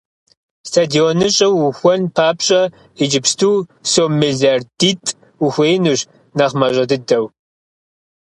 СтадионыщӀэ уухуэн папщӀэ иджыпсту сом мелардитӀ ухуеинущ, нэхъ мащӀэ дыдэу.